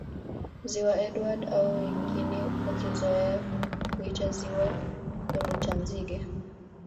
Ziwa Edward au wengi wakizoea kuita Ziwa Rutanzige